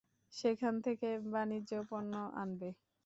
সেখান থেকে বাণিজ্য পণ্য আনবে।